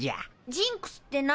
ジンクスって何？